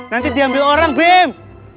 nanti diambil orang bim